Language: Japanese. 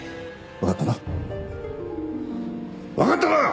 わかったな！？